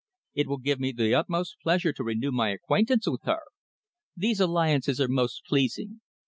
"It will give me the utmost pleasure to renew my acquaintance with her. These alliances are most pleasing.